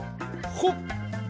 ほっ！